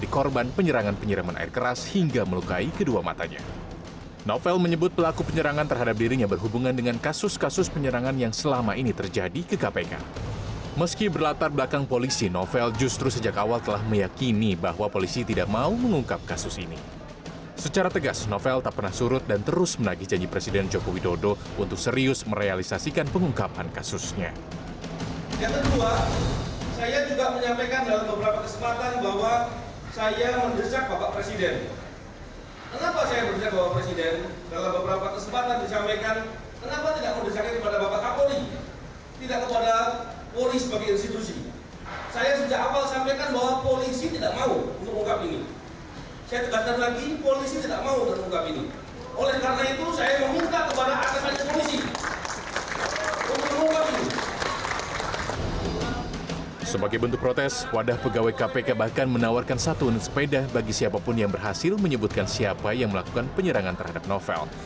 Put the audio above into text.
kpk bahkan menawarkan satu unit sepeda bagi siapapun yang berhasil menyebutkan siapa yang melakukan penyerangan terhadap novel